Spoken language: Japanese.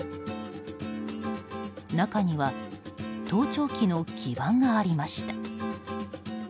中には盗聴器の基板がありました。